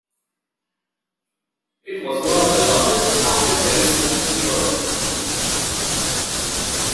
It was one of the largest active telescopes in Europe.